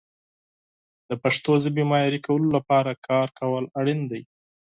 د پښتو ژبې معیاري کولو لپاره کار کول اړین دي.